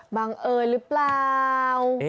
บังเอิญหรือเปล่า